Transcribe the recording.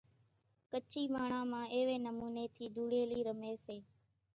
ڪڇي ماڻۿان مان ايوي نموني ڌوڙيلي رمي سي۔